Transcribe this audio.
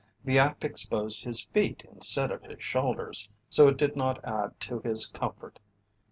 The act exposed his feet instead of his shoulders, so it did not add to his comfort.